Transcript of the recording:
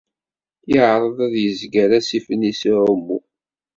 Yeɛreḍ ad yezger asif-nni s uɛumu.